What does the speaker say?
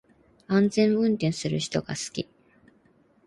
安全運転する人が好き